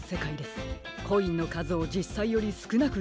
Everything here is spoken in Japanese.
コインのかずをじっさいよりすくなくいっていたのでしょう。